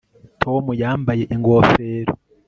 tom yambaye ingofero